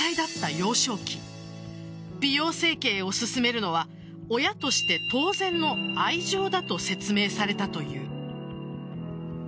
幼少期美容整形を勧めるのは親として当然の愛情だと説明されたという。